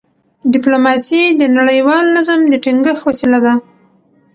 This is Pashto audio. ډيپلوماسي د نړیوال نظم د ټینګښت وسیله ده.